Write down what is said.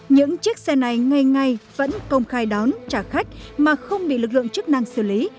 những chiếc xe này ngay ngay vẫn công khai đón trả khách mà không bị lực lượng chức năng xử lý